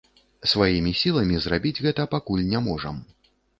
Сваімі сіламі зрабіць гэта пакуль не можам.